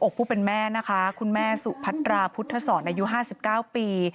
ผู้เป็นแม่นะคะคุณแม่สุพัตราพุทธศรอายุ๕๙ปี